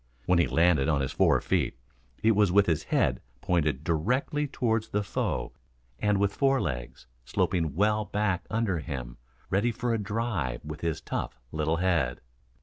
When he landed on his four feet, it was with head pointed directly toward the foe and with fore legs sloping well back under him ready for a drive with his tough little head.